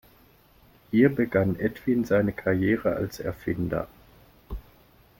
Hier begann Edwin seine Karriere als Erfinder.